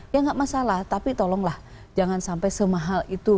ya nggak masalah tapi tolonglah jangan sampai semahal itu